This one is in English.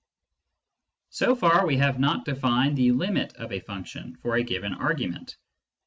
So far we have not defined the " limit " of a function for a given argument.